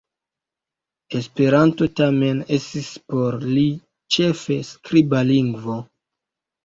Esperanto tamen estis por li ĉefe skriba lingvo.